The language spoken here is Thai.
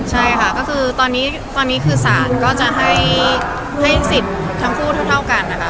ใช่ค่ะก็คือตอนนี้คือศาลก็จะให้สิทธิ์ทั้งคู่เท่ากันนะคะ